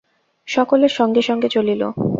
সকলে সঙ্গে সঙ্গে চলিল।